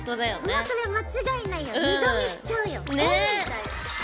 もうそれ間違いないよ二度見しちゃうよ。ね！